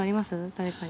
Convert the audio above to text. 誰かに。